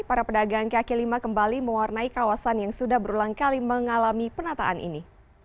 para pedagang kaki lima kembali mewarnai kawasan yang sudah berulang kali mengalami penataan ini